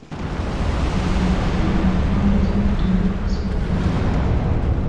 ډيپلوماسي د نړیوال نظم د ټینګښت وسیله ده.